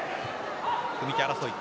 組み手争い。